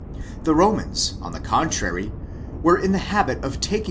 The Romans, on the contrary, were in the habit of taking 30.